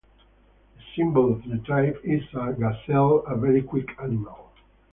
The symbol of the tribe is a gazelle-a very quick animal.